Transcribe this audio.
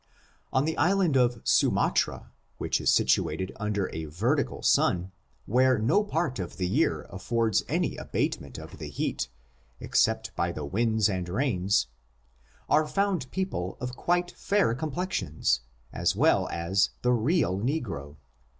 On the island of Sumatra, which is situated under a vertical sun, where no part of the year affords any abatement of the heat, except by the winds and rains, are found people of quite fair complexions, as well as the real negro.